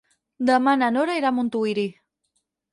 Demà na Nora irà a Montuïri.